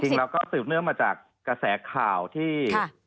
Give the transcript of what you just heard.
เราก็สืบเนื่องมาจากกระแสข่าวที่